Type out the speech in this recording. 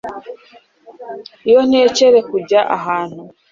iyo ntekere kujya ahantu